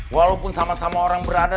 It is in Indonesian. walaupun sama sama orang berada